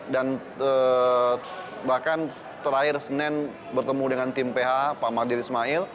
dan bahkan terakhir senin bertemu dengan tim ph pak mardir ismail